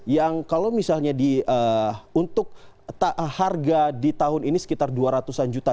yang kalau misalnya untuk harga di tahun ini sekitar dua ratus an juta